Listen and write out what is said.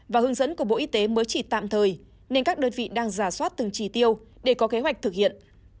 và hướng dẫn của bộ y tế mới chỉ tạm thời nên các đơn vị đang giả soát từng chỉ tiêu để có kế hoạch thực hiện